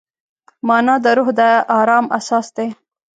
مانا د روح د ارام اساس دی.